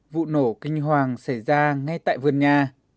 vụ nổ kinh hoàng xảy ra ngay tại vườn nhà